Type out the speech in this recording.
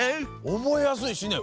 おぼえやすいしね。